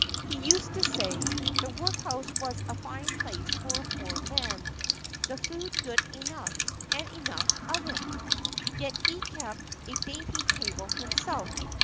He used to say, 'The workhouse was a fine place for a poor man the food good enough, and enough of it;' yet he kept a dainty table himself.